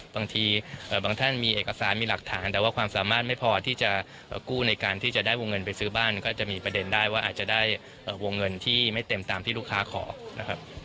บางทีบางท่านมีเอกสารมีหลักฐานแต่ว่าความสามารถไม่พอที่จะกู้ในการที่จะได้วงเงินไปซื้อบ้านก็จะมีประเด็นได้ว่าอาจจะได้วงเงินที่ไม่เต็มตามที่ลูกค้าขอนะครับ